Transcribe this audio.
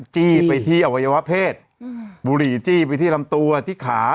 จี้ไปที่อวัยวะเพศบุหรี่จี้ไปที่ลำตัวที่ขา